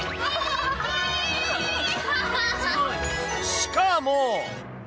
しかも。